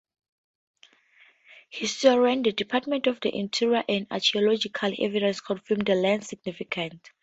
Historians, the Department of the Interior and archaeological evidence confirm the land's significance.